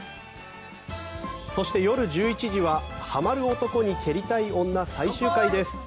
そして、夜１１時は「ハマる男に蹴りたい女」最終回です。